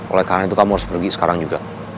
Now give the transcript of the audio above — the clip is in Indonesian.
oleh karena itu kamu harus pergi sekarang juga